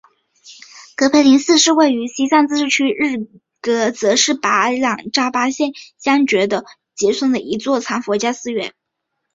格培林寺是位于西藏自治区日喀则市白朗县巴扎乡觉杰村的一座藏传佛教寺院。